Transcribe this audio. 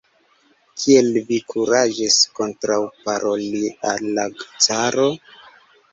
Kiel vi kuraĝis kontraŭparoli al la caro?